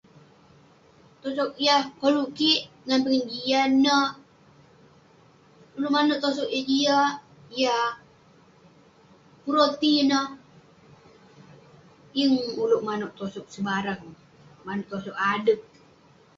Tosog yah koluk kik ngan pengejian neh, ulouk manouk tosog eh jiak, yah pun roti neh. Yeng ulouk manouk tosog sebarang, manouk tosog adeg.